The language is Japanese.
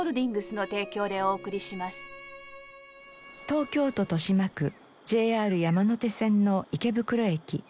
東京都豊島区ＪＲ山手線の池袋駅。